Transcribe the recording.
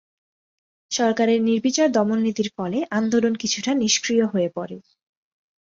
সরকারের নির্বিচার দমননীতির ফলে আন্দোলন কিছুটা নিষ্ক্রিয় হয়ে পড়ে।